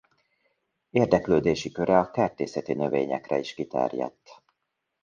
Érdeklődési köre a kertészeti növényekre is kiterjedt.